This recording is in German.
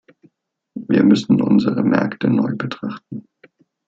Wir müssen unsere Märkte neu betrachten.